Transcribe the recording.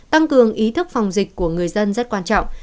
tăng cường ý thức phòng dịch của người dân rất quan trọng